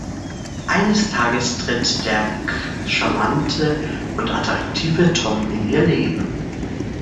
Eines Tages tritt der charmante und attraktive Tom in ihr Leben.